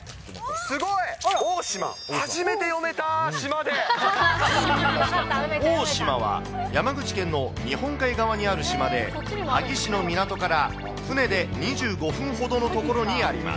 すごい、大島、大島は、山口県の日本海側にある島で、萩市の港から船で２５分ほどの所にあります。